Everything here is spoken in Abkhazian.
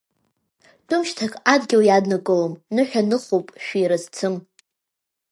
Тәымшьҭак адгьыл иаднакылом, ныҳәа ныхоуп шәира зцым.